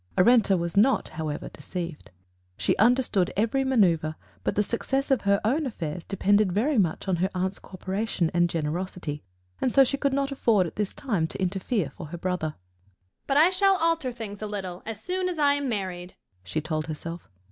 Arenta was not, however, deceived; she understood every maneuvre, but the success of her own affairs depended very much on her aunt's cooperation and generosity, and so she could not afford, at this time, to interfere for her brother. "But I shall alter things a little as soon as I am married," she told herself.